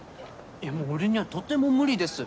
いやもう俺にはとても無理です。